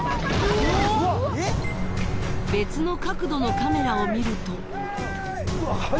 別の角度のカメラを見るとＨｅｙ！